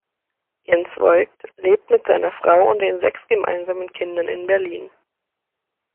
Jens Voigt lebt mit seiner Frau und den sechs gemeinsamen Kindern in Berlin.